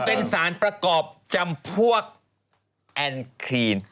เป็นสารประกอบจำพวกแอนครีน